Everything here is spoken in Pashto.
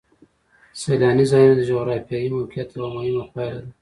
سیلاني ځایونه د جغرافیایي موقیعت یوه مهمه پایله ده.